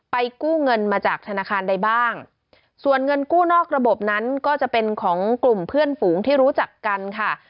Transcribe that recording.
กู้เงินมาจากธนาคารใดบ้างส่วนเงินกู้นอกระบบนั้นก็จะเป็นของกลุ่มเพื่อนฝูงที่รู้จักกันค่ะ